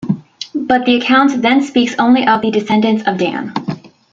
But the account then speaks only of the descendants of Dan.